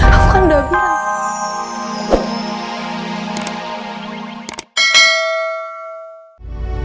aku kan udah bilang